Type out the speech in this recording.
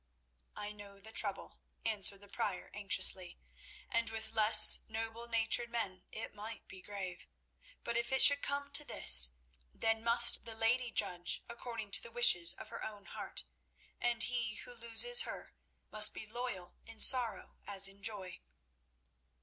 "I know the trouble," answered the Prior anxiously, "and with less noble natured men it might be grave. But if it should come to this, then must the lady judge according to the wishes of her own heart, and he who loses her must be loyal in sorrow as in joy.